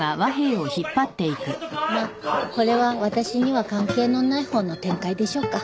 まあこれは私には関係のない方の展開でしょうか。